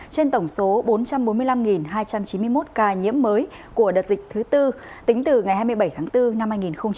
trên tổng số bốn trăm bốn mươi năm hai trăm chín mươi một ca nhiễm mới của đợt dịch thứ tư tính từ ngày hai mươi bảy tháng bốn năm hai nghìn hai mươi